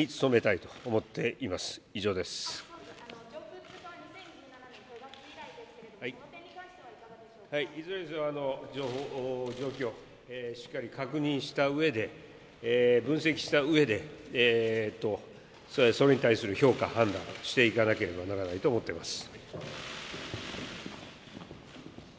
いずれにせよ、情報、状況をしっかり確認、分析したうえで、それに対する評価、判断をしていかなければならないと思っています。